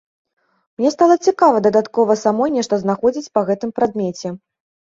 Мне стала цікава дадаткова самой нешта знаходзіць па гэтым прадмеце.